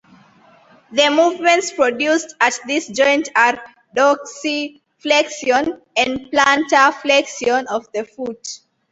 The movements produced at this joint are dorsiflexion and plantarflexion of the foot.